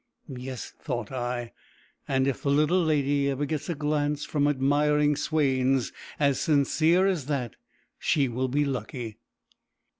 "Yes," thought I; "and if the little lady ever gets a glance from admiring swains as sincere as that, she will be lucky."